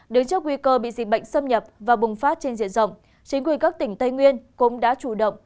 đứng trước nguy cơ bị dịch bệnh xâm nhập và bùng phát trên diện rộng chính quyền các tỉnh tây nguyên cũng đã chủ động